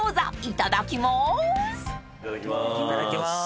いただきます。